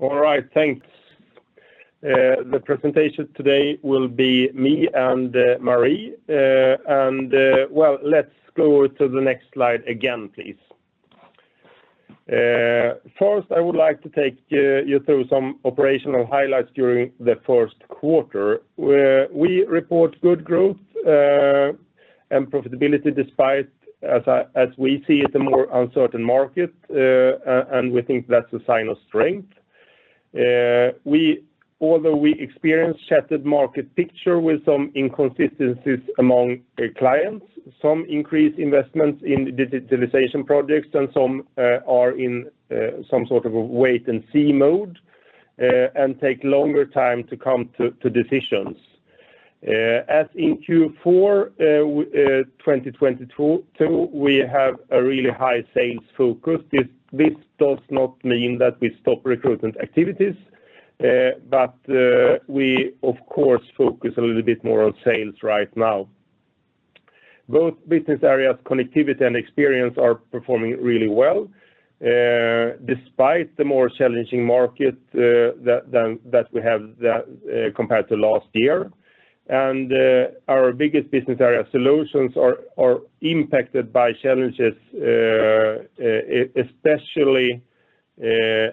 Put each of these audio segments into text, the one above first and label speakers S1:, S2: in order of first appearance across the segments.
S1: All right, thanks. The presentation today will be me and Marie. Let's go to the next slide again, please. First, I would like to take you through some operational highlights during the Q1, where we report good growth and profitability despite as we see it's a more uncertain market. We think that's a sign of strength. Although we experience shattered market picture with some inconsistencies among the clients, some increased investments in digitalization projects and some are in some sort of a wait-and-see mode and take longer time to come to decisions. As in Q4, 2022, we have a really high sales focus. This does not mean that we stop recruitment activities, but we of course focus a little bit more on sales right now. Both business areas, Connectivity and Experience, are performing really well, despite the more challenging market that we have compared to last year. Our biggest business area Solutions are impacted by challenges, especially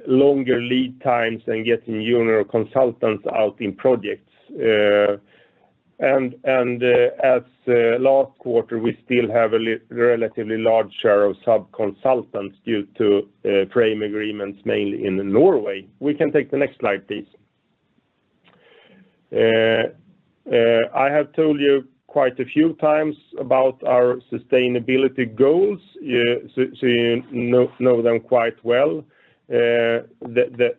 S1: longer lead times and getting junior consultants out in projects. As last quarter, we still have a relatively large share of sub-consultants due to frame agreements, mainly in Norway. We can take the next slide, please. I have told you quite a few times about our sustainability goals. So you know them quite well. The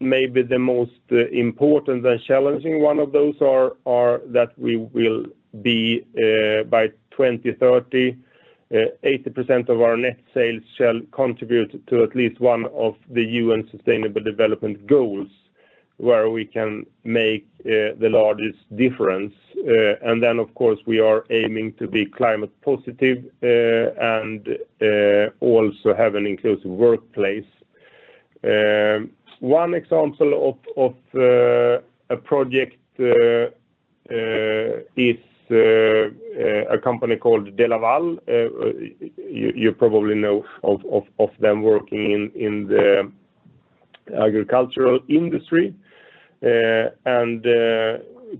S1: maybe the most important and challenging one of those are that we will be by 2030, 80% of our net sales shall contribute to at least one of the UN Sustainable Development Goals where we can make the largest difference. Of course, we are aiming to be climate positive and also have an inclusive workplace. One example of a project is a company called DeLaval. You probably know of them working in the agricultural industry.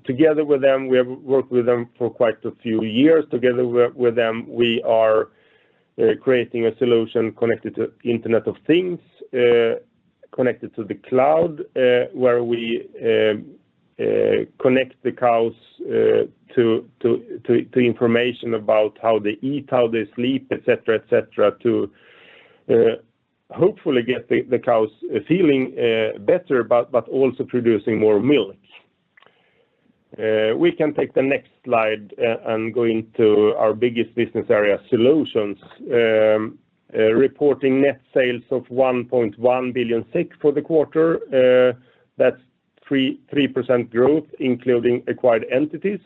S1: Together with them, we have worked with them for quite a few years. Together with them, we are creating a solution connected to Internet of Things, connected to the cloud, where we connect the cows to information about how they eat, how they sleep, et cetera, et cetera, to hopefully get the cows feeling better but also producing more milk. We can take the next slide and go into our biggest business area Solutions, reporting net sales of 1.1 billion SEK for the quarter. That's three percent growth, including acquired entities.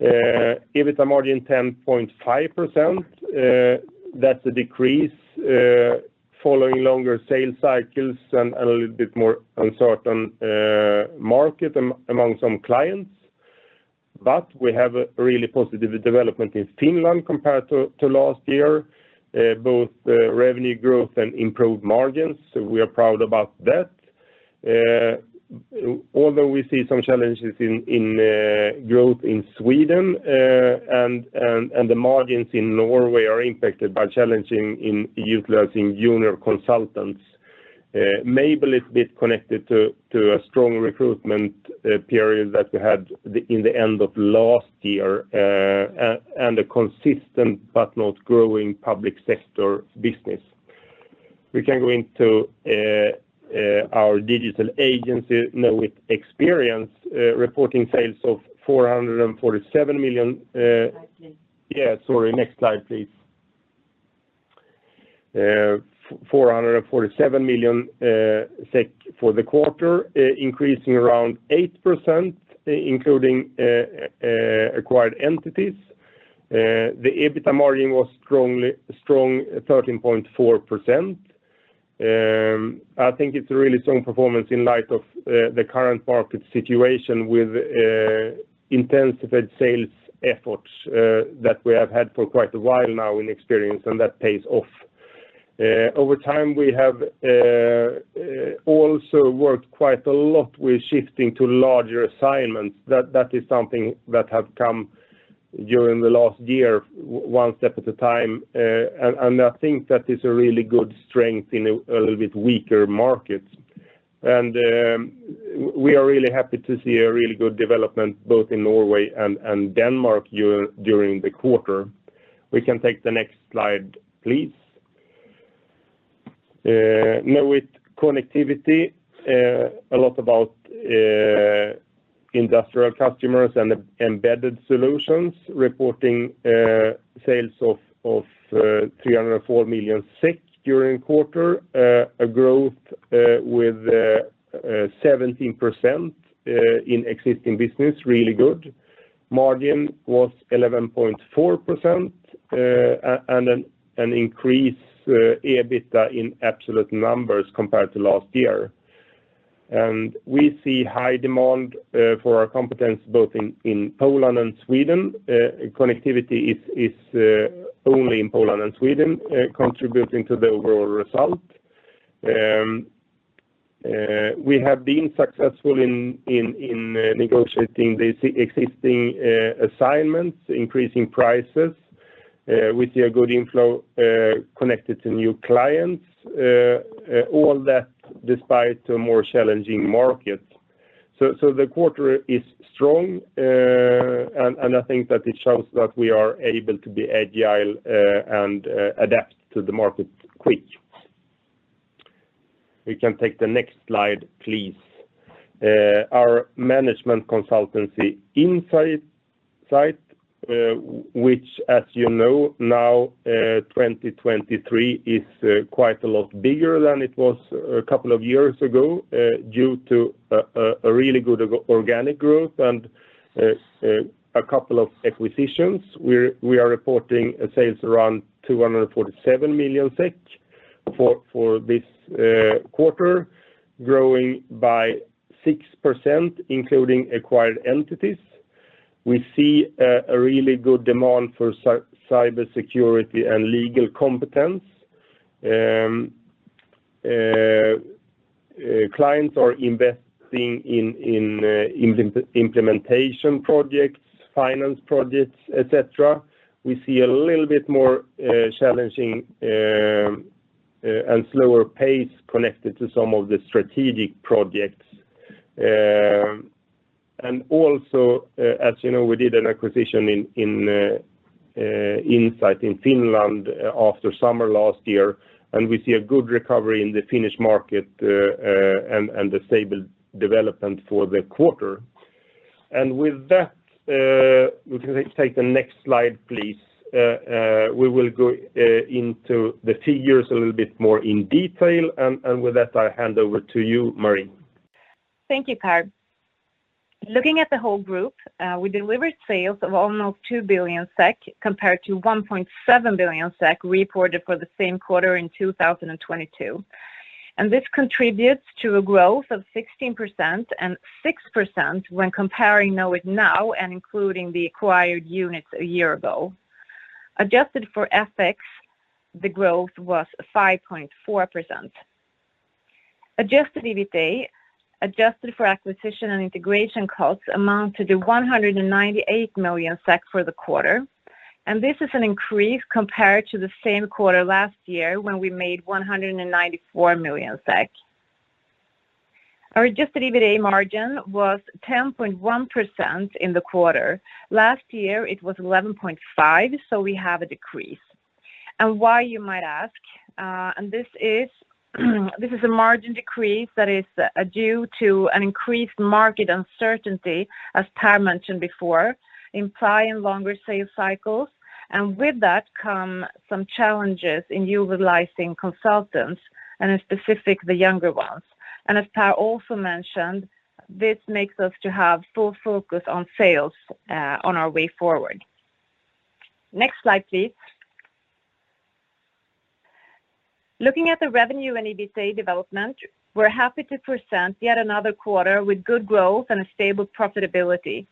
S1: EBITA margin 10.5%. That's a decrease following longer sales cycles and a little bit more uncertain market among some clients. We have a really positive development in Finland compared to last year, both revenue growth and improved margins. So we are proud about that. Although we see some challenges in growth in Sweden, and the margins in Norway are impacted by challenging in utilizing junior consultants, maybe a little bit connected to a strong recruitment period that we had in the end of last year, and a consistent but not growing public sector business. We can go into our digital agency Knowit Experience, reporting sales of 447 million SEK.
S2: Next slide, please.
S1: Yeah, sorry. Next slide, please. 447 million SEK for the quarter, increasing around 8% including acquired entities. The EBITA margin was strongly 13.4%. I think it's a really strong performance in light of the current market situation with intensified sales efforts that we have had for quite a while now in Experience. That pays off. Over time, we have also worked quite a lot with shifting to larger assignments. That is something that have come during the last year one step at a time. I think that is a really good strength in a little bit weaker markets. We are really happy to see a really good development both in Norway and Denmark during the quarter. We can take the next slide, please. Knowit's Connectivity. A lot about industrial customers and e-embedded solutions, reporting sales of 304 million SEK during quarter, a growth with 17% in existing business. Really good. Margin was 11.4%, and an increase EBITA in absolute numbers compared to last year. We see high demand for our competence both in Poland and Sweden. Connectivity is only in Poland and Sweden, contributing to the overall result. We have been successful in negotiating the existing assignments, increasing prices with the good inflow connected to new clients. All that despite a more challenging market. The quarter is strong, and I think that it shows that we are able to be agile and adapt to the market quick. We can take the next slide, please. Our management consultancy Insight side, which as you know now, 2023 is quite a lot bigger than it was a couple of years ago, due to a really good organic growth and a couple of acquisitions. We are reporting sales around 247 million SEK for this quarter, growing by 6% including acquired entities. We see a really good demand for cybersecurity and legal competence. Clients are investing in implementation projects, finance projects, et cetera. We see a little bit more challenging and slower pace connected to some of the strategic projects. As you know, we did an acquisition in Insight in Finland after summer last year, and we see a good recovery in the Finnish market and a stable development for the quarter. With that, we can take the next slide, please. We will go into the figures a little bit more in detail and with that, I hand over to you, Marie.
S2: Thank you, Per. Looking at the whole group, we delivered sales of almost 2 billion SEK compared to 1.7 billion SEK reported for the same quarter in 2022. This contributes to a growth of 16% and 6% when comparing Knowit now and including the acquired units a year ago. Adjusted for FX, the growth was 5.4%. Adjusted EBITA, adjusted for acquisition and integration costs amounted to 198 million SEK for the quarter, and this is an increase compared to the same quarter last year when we made 194 million SEK. Our adjusted EBITA margin was 10.1% in the quarter. Last year it was 11.5%, so we have a decrease. Why, you might ask, and this is a margin decrease that is due to an increased market uncertainty, as Per mentioned before, implying longer sales cycles, and with that come some challenges in utilizing consultants and in specific, the younger ones. As Per also mentioned, this makes us to have full focus on sales on our way forward. Next slide, please. Looking at the revenue and EBITA development, we're happy to present yet another quarter with good growth and a stable profitability.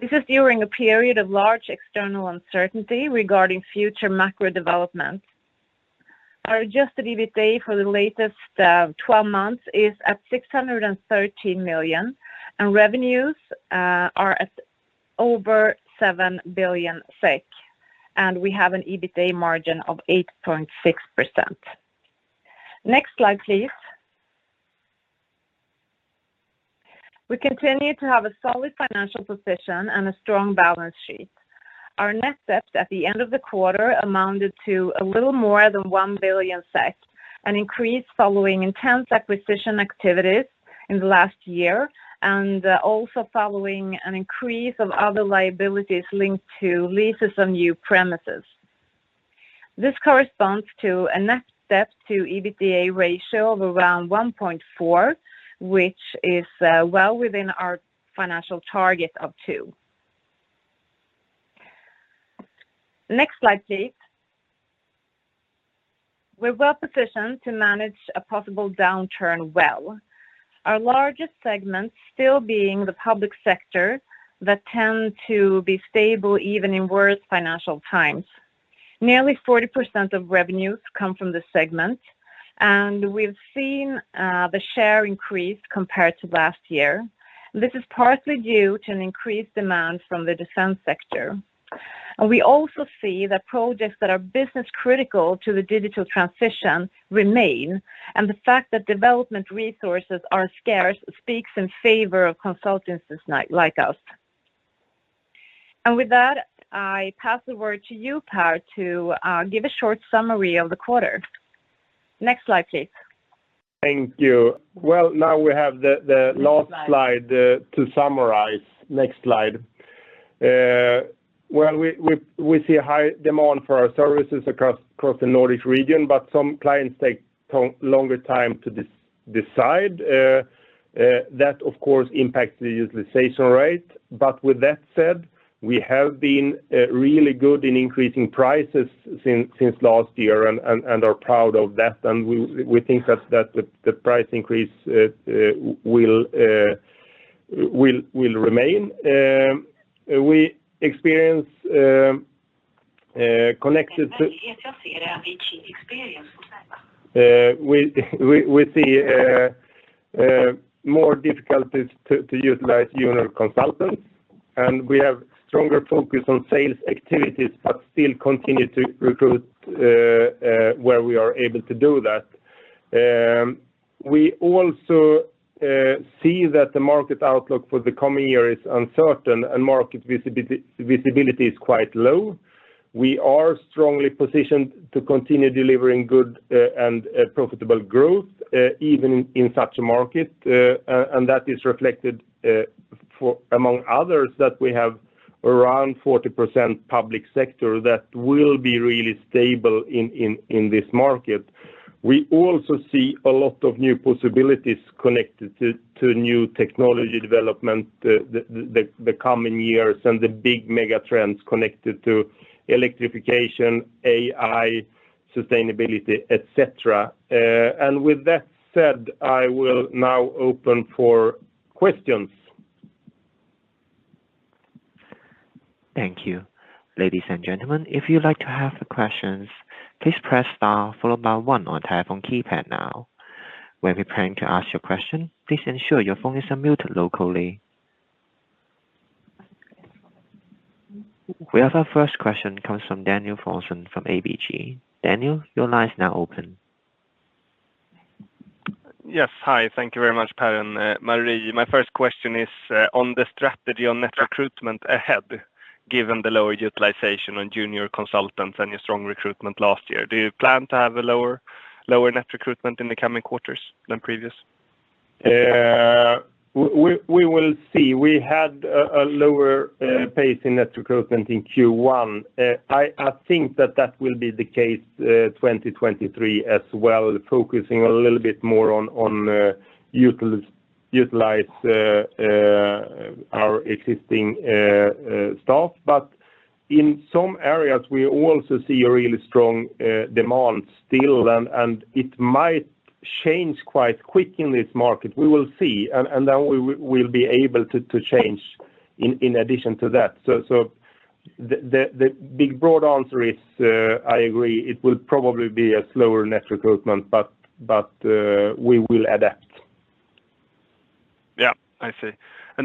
S2: This is during a period of large external uncertainty regarding future macro developments. Our adjusted EBITA for the latest 12 months is at 613 million SEK, and revenues are at over 7 billion SEK, and we have an EBITA margin of 8.6%. Next slide, please. We continue to have a solid financial position and a strong balance sheet. Our net debt at the end of the quarter amounted to a little more than 1 billion SEK, an increase following intense acquisition activities in the last year, also following an increase of other liabilities linked to leases on new premises. This corresponds to a net debt to EBITDA ratio of around 1.4, which is well within our financial target of 2. Next slide, please. We're well-positioned to manage a possible downturn well. Our largest segment still being the public sector that tend to be stable even in worse financial times. Nearly 40% of revenues come from this segment, we've seen the share increase compared to last year. This is partly due to an increased demand from the defense sector. We also see that projects that are business critical to the digital transition remain, and the fact that development resources are scarce speaks in favor of consultants like us. With that, I pass the word to you, Per, to give a short summary of the quarter. Next slide, please.
S1: Thank you. Well, now we have the last slide-
S2: Next slide....
S1: to summarize. Next slide. Well, we see a high demand for our services across the Nordic region, but some clients take longer time to decide. That of course impacts the utilization rate. With that said, we have been really good in increasing prices since last year and are proud of that. We think that the price increase will remain. We see more difficulties to utilize junior consultants, and we have stronger focus on sales activities, but still continue to recruit where we are able to do that. We also see that the market outlook for the coming year is uncertain and market visibility is quite low. We are strongly positioned to continue delivering good and profitable growth even in such a market. That is reflected for among others that we have around 40% public sector that will be really stable in this market. We also see a lot of new possibilities connected to new technology development the coming years and the big mega trends connected to electrification, AI, sustainability, et cetera. With that said, I will now open for questions.
S3: Thank you. Ladies and gentlemen, if you'd like to have questions, please press star followed by 1 on telephone keypad now. When preparing to ask your question, please ensure your phone is unmute locally. We have our first question comes from Daniel Thorson from ABG. Daniel, your line is now open.
S4: Yes. Hi. Thank you very much, Per and Marie. My first question is, on the strategy on net recruitment ahead, given the lower utilization on junior consultants and your strong recruitment last year. Do you plan to have a lower net recruitment in the coming quarters than previous?
S1: We will see. We had a lower pace in net recruitment in Q1. I think that that will be the case 2023 as well, focusing a little bit more on utilize our existing staff. In some areas, we also see a really strong demand still, and it might change quite quick in this market. We will see. Then we'll be able to change in addition to that. The big broad answer is, I agree, it will probably be a slower net recruitment, but we will adapt.
S4: Yeah. I see.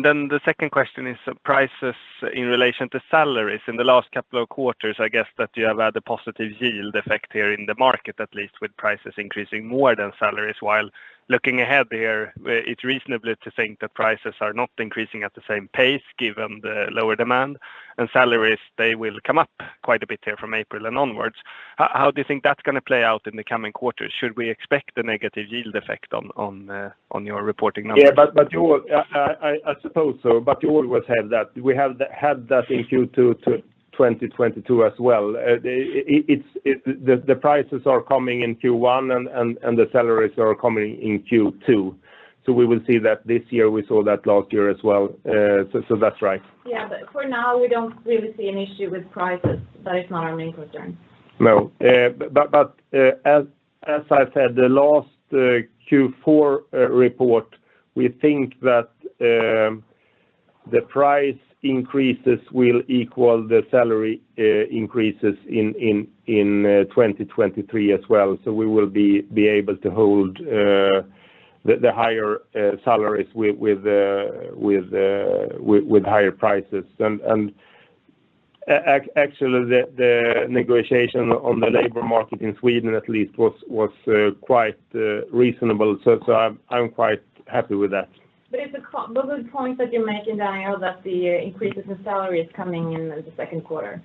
S4: Then the second question is prices in relation to salaries. In the last couple of quarters, I guess that you have had a positive yield effect here in the market, at least with prices increasing more than salaries. While looking ahead here, it's reasonable to think that prices are not increasing at the same pace given the lower demand, and salaries, they will come up quite a bit here from April and onwards. How do you think that's gonna play out in the coming quarters? Should we expect a negative yield effect on your reporting numbers?
S1: I suppose so, but you always have that. We have had that in Q2 2022 as well. It's the prices are coming in Q1 and the salaries are coming in Q2. We will see that this year. We saw that last year as well. That's right.
S2: Yeah. For now, we don't really see an issue with prices. That is not our main concern.
S1: No. As I said, the last Q4 report, we think that the price increases will equal the salary increases in 2023 as well. We will be able to hold the higher salaries with higher prices. Actually, the negotiation on the labor market in Sweden, at least, was quite reasonable. I'm quite happy with that.
S2: Those are the points that you're making, Daniel, that the increases in salary is coming in the second quarter,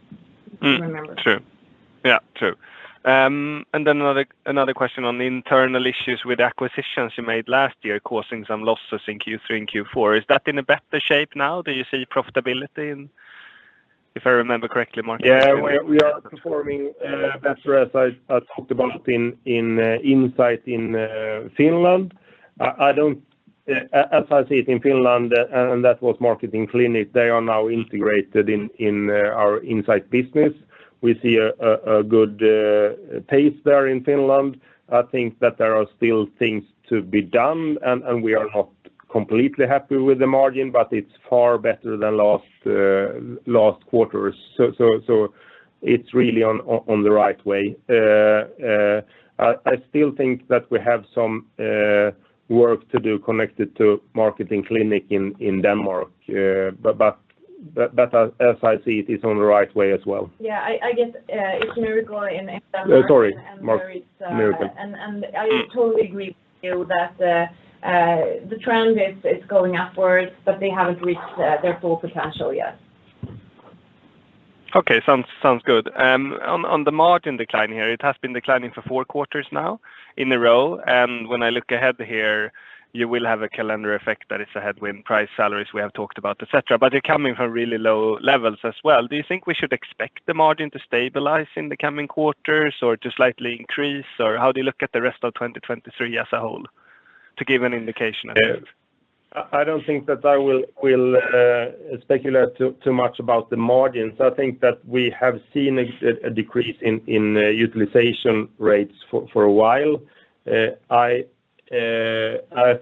S2: if you remember.
S4: True. Yeah. True. Then another question on the internal issues with acquisitions you made last year causing some losses in Q3 and Q4. Is that in a better shape now? Do you see profitability in? If I remember correctly.
S1: We are performing better as I talked about in Insight in Finland. As I see it in Finland, that was Marketing Clinic, they are now integrated in our Insight business. We see a good pace there in Finland. I think that there are still things to be done and we are not completely happy with the margin, but it's far better than last quarters. It's really on the right way. I still think that we have some work to do connected to Marketing Clinic in Denmark. As I see it's on the right way as well.
S2: Yeah. I guess, it's Miracle in Denmark-
S1: sorry. Miracle
S2: I totally agree with you that, the trend is going upwards, but they haven't reached, their full potential yet.
S4: Okay, sounds good. On the margin decline here, it has been declining for 4 quarters now in a row. When I look ahead here, you will have a calendar effect that is a headwind, price, salaries we have talked about, et cetera, but you're coming from really low levels as well. Do you think we should expect the margin to stabilize in the coming quarters or to slightly increase? How do you look at the rest of 2023 as a whole to give an indication at least?
S1: Yeah. I don't think that I will speculate too much about the margins. I think that we have seen a decrease in utilization rates for a while. I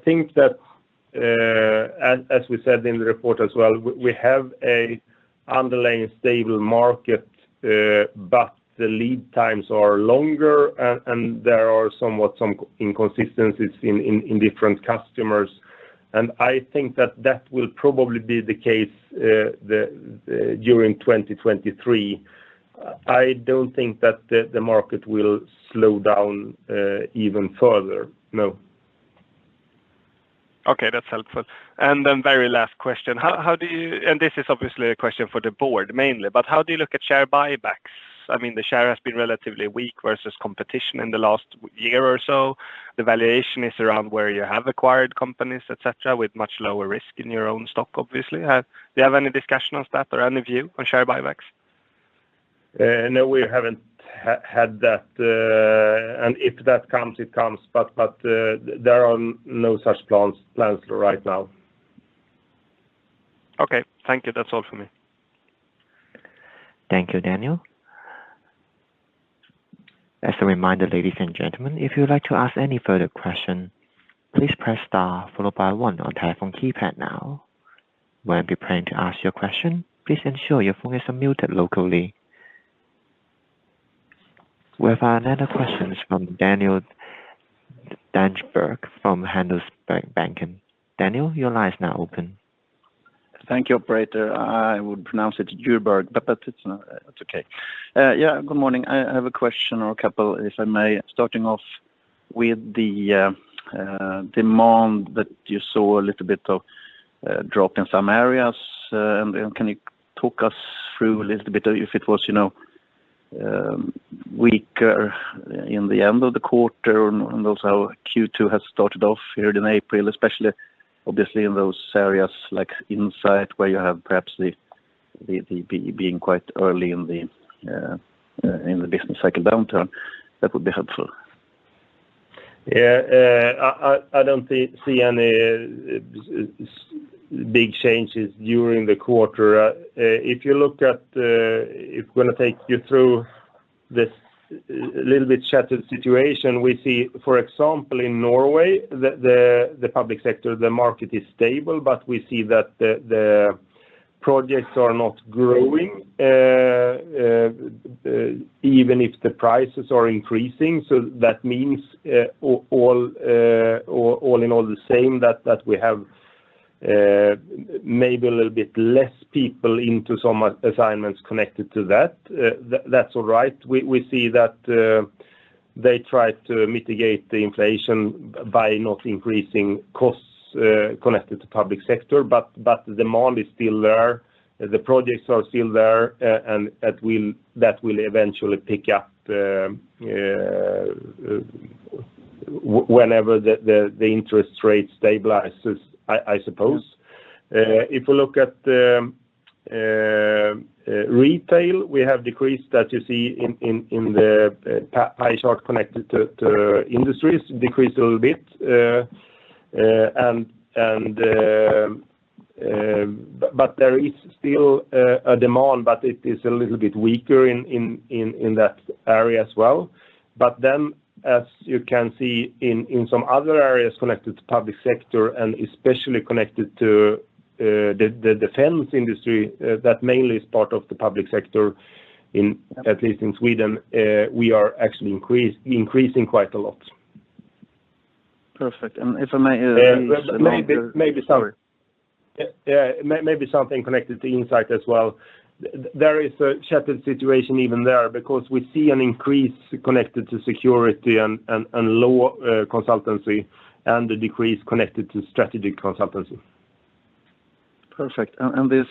S1: think that as we said in the report as well, we have an underlying stable market, but the lead times are longer and there are somewhat some inconsistencies in different customers. I think that that will probably be the case during 2023. I don't think that the market will slow down even further. No.
S4: Okay, that's helpful. Then very last question. This is obviously a question for the board mainly, but how do you look at share buybacks? I mean, the share has been relatively weak versus competition in the last one year or so. The valuation is around where you have acquired companies, et cetera, with much lower risk in your own stock, obviously. Do you have any discussion on that or any view on share buybacks?
S1: No, we haven't had that. If that comes, it comes, but there are no such plans right now.
S4: Okay. Thank you. That's all for me.
S3: Thank you, Daniel. As a reminder, ladies and gentlemen, if you would like to ask any further question, please press star followed by one on telephone keypad now. When preparing to ask your question, please ensure your phones are muted locally. We have another question from Daniel Djurberg from Handelsbanken. Daniel, your line is now open.
S5: Thank you, operator. I would pronounce it Djurberg, but it's not. That's okay. Yeah, good morning. I have a question or a couple, if I may, starting off with the demand that you saw a little bit of drop in some areas. Can you talk us through a little bit if it was, you know, weaker in the end of the quarter and also how Q2 has started off here in April, especially obviously in those areas like Insight where you have perhaps the being quite early in the business cycle downturn? That would be helpful.
S1: Yeah. I don't see any big changes during the quarter. If you look at... If I'm gonna take you through this little bit shattered situation, we see, for example, in Norway, the public sector, the market is stable, but we see that the projects are not growing, even if the prices are increasing. That means, all in all the same, that we have maybe a little bit less people into some assignments connected to that. That's all right. We see that they try to mitigate the inflation by not increasing costs connected to public sector, but demand is still there. The projects are still there. That will eventually pick up whenever the interest rate stabilizes, I suppose. If you look at the retail, we have decreased that you see in the pie chart connected to industries decreased a little bit. There is still a demand, but it is a little bit weaker in that area as well. As you can see in some other areas connected to public sector and especially connected to the defense industry, that mainly is part of the public sector, at least in Sweden, we are actually increasing quite a lot.
S5: Perfect. if I may raise another-
S1: Yeah. Maybe.
S5: Sorry.
S1: Yeah. Maybe something connected to Insight as well. There is a shattered situation even there because we see an increase connected to security and lower consultancy and the decrease connected to strategy consultancy.
S5: Perfect. This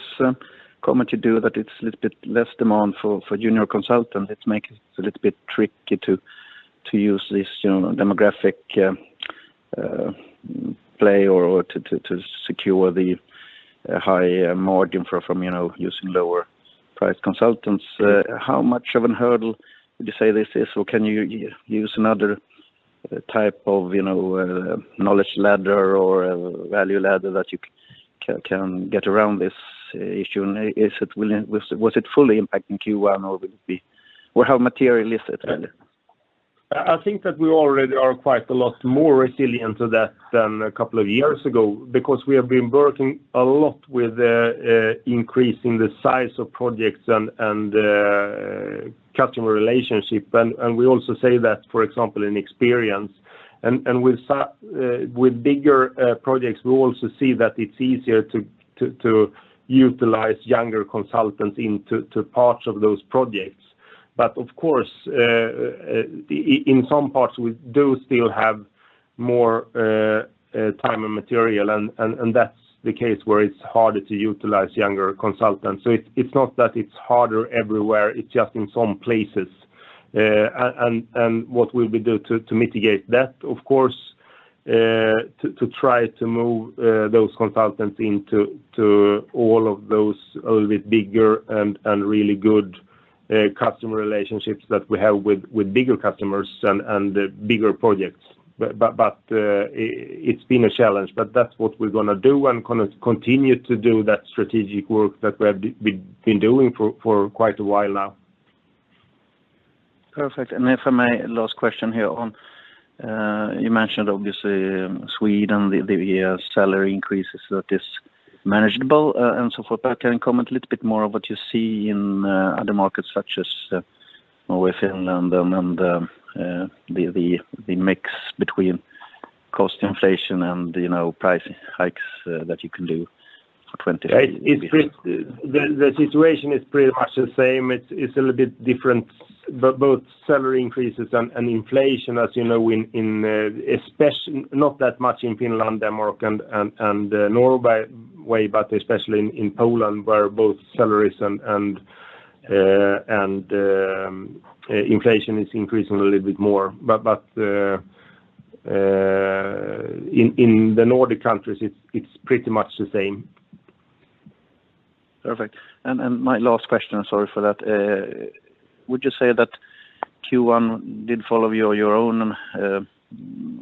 S5: comment you do that it's a little bit less demand for junior consultants, it's making it a little bit tricky to use this, you know, demographic play or to secure the high margin from, you know, using lower price consultants. How much of a hurdle would you say this is? Can you use another type of, you know, knowledge ladder or value ladder that you can get around this issue? Is it fully impacting Q1 or would it be? How material is it?
S1: I think that we already are quite a lot more resilient to that than a couple of years ago because we have been working a lot with the increasing the size of projects and customer relationship. We also say that, for example, in Experience and with bigger projects, we also see that it's easier to utilize younger consultants into parts of those projects. Of course, in some parts we do still have more time and material and that's the case where it's harder to utilize younger consultants. It's not that it's harder everywhere, it's just in some places. And what will we do to mitigate that? Of course, to try to move, those consultants into all of those a little bit bigger and really good customer relationships that we have with bigger customers and bigger projects. It's been a challenge, but that's what we're gonna do and gonna continue to do that strategic work that we have been doing for quite a while now.
S5: Perfect. If I may, last question here on, you mentioned obviously Sweden, the salary increases that is manageable, and so forth. Can you comment a little bit more of what you see in other markets such as Norway, Finland, and the mix between cost inflation and, you know, price hikes that you can do for 2023?
S1: The situation is pretty much the same. It's a little bit different, but both salary increases and inflation, as you know, in not that much in Finland and Denmark and Norway, but especially in Poland, where both salaries and inflation is increasing a little bit more. In the Nordic countries, it's pretty much the same.
S5: Perfect. My last question, sorry for that, would you say that Q1 did follow your own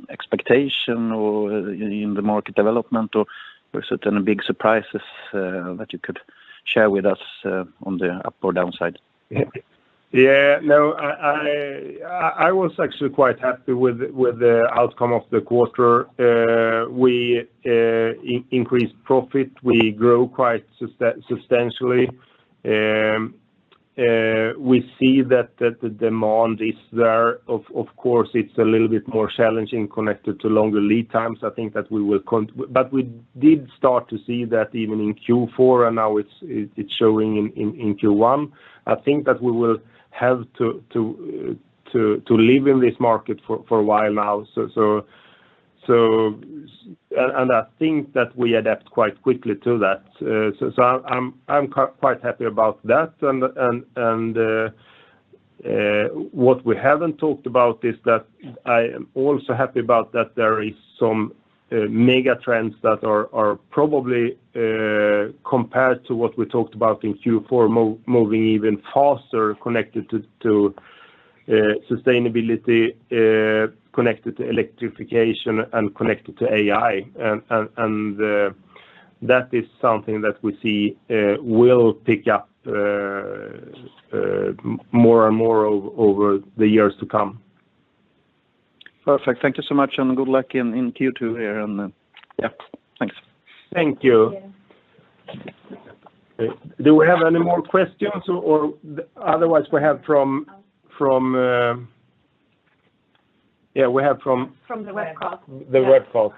S5: expectation or in the market development, or were certain big surprises that you could share with us on the up or downside?
S1: Yeah, no, I was actually quite happy with the outcome of the quarter. We increased profit, we grew quite substantially. We see that the demand is there. Of course, it's a little bit more challenging connected to longer lead times. We did start to see that even in Q4, and now it's showing in Q1. I think that we will have to live in this market for a while now. I think that we adapt quite quickly to that. So I'm quite happy about that. What we haven't talked about is that I am also happy about that there is some mega trends that are probably, compared to what we talked about in Q4, moving even faster connected to sustainability, connected to electrification, and connected to AI. That is something that we see will pick up more and more over the years to come.
S5: Perfect. Thank you so much, and good luck in Q2 here, and yeah. Thanks.
S1: Thank you.
S3: Thank you.
S1: Do we have any more questions, or otherwise we have from? Yeah, we have.
S3: From the webcast.
S1: The webcast.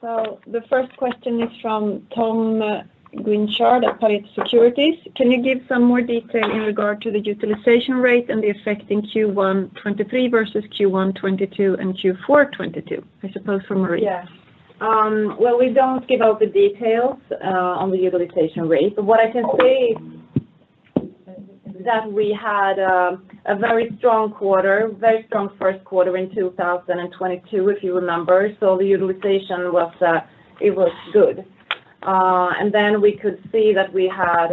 S3: The first question is from Tom Guinchard at Pareto Securities. Can you give some more detail in regard to the utilization rate and the effect in Q1 2023 versus Q1 2022 and Q4 2022? I suppose for Marie.
S2: Yes. Well, we don't give out the details on the utilization rate. What I can say is that we had a very strong quarter, very strong Q1 in 2022, if you remember. The utilization was good. Then we could see that we had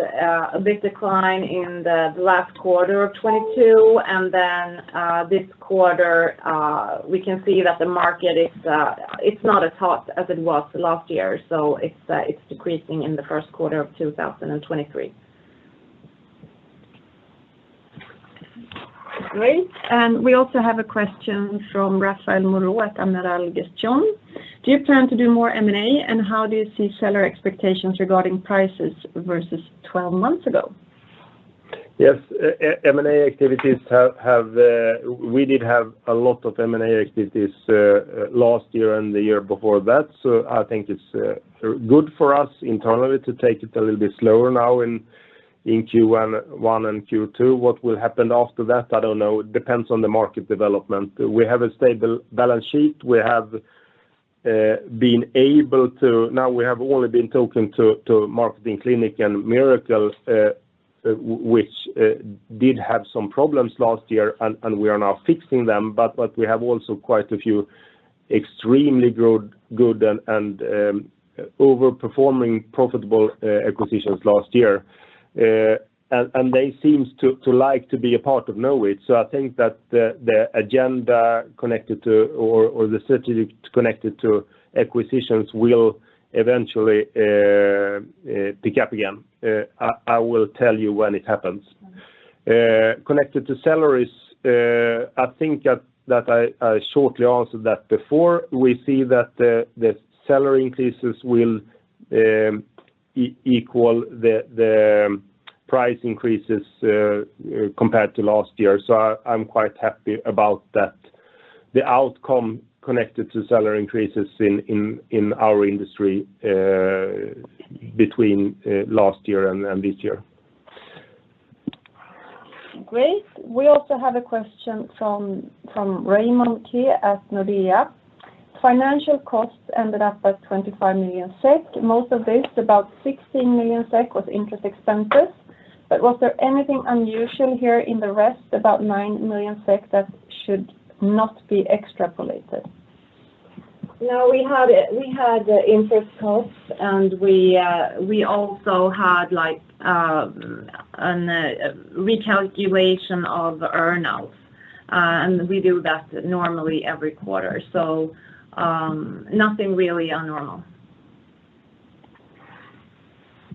S2: a big decline in the last quarter of 2022, and then this quarter, we can see that the market is not as hot as it was last year. It's decreasing in the Q1 of 2023.
S3: Great. We also have a question from Raphaël Moreau at Amiral Gestion. Do you plan to do more M&A, and how do you see seller expectations regarding prices versus 12 months ago?
S1: Yes. M&A activities have. We did have a lot of M&A activities last year and the year before that. I think it's good for us internally to take it a little bit slower now in Q1 and Q2. What will happen after that, I don't know. It depends on the market development. We have a stable balance sheet. We have been able to. Now we have only been talking to Marketing Clinic and Miracle, which did have some problems last year, and we are now fixing them. We have also quite a few extremely good and overperforming profitable acquisitions last year. They seems to like to be a part of Knowit. I think that the agenda connected to or the strategy connected to acquisitions will eventually pick up again. I will tell you when it happens. Connected to salaries, I think that I shortly answered that before. We see that the salary increases will equal the price increases compared to last year. I'm quite happy about that, the outcome connected to salary increases in our industry between last year and this year.
S3: Great. We also have a question from Raymond Ke at Nordea. Financial costs ended up at 25 million SEK. Most of this, about 16 million SEK, was interest expenses. Was there anything unusual here in the rest, about 9 million SEK, that should not be extrapolated?
S2: No, we had interest costs, and we also had like, a recalculation of earnouts. We do that normally every quarter. Nothing really unusual.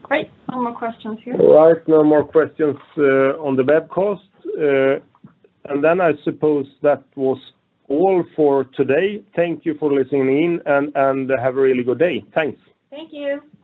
S3: Great. No more questions here.
S1: All right. No more questions on the webcast. I suppose that was all for today. Thank you for listening in and have a really good day. Thanks.
S2: Thank you.